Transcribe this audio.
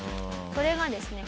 それがですね